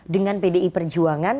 dengan pdi perjuangan